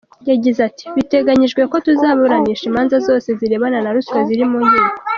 Yagize ati “Biteganyijwe ko tuzaburanisha imanza zose zirebana na ruswa ziri mu nkiko.